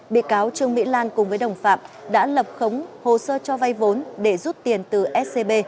bị cáo trương mỹ lan cùng với đồng phạm đã lập khống hồ sơ cho vay vốn để rút tiền từ scb